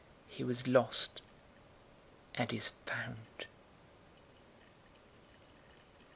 He was lost, and is found.'"